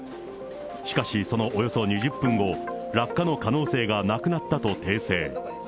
しかし、そのおよそ２０分後、落下の可能性がなくなったと訂正。